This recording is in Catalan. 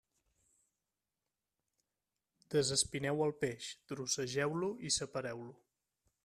Desespineu el peix, trossegeu-lo i separeu-lo.